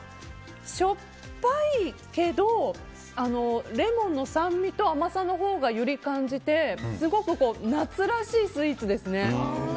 しょっぱいけどレモンの酸味と甘さのほうがより感じてすごく夏らしいスイーツですね。